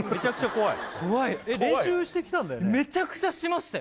怖い練習してきたんだよね？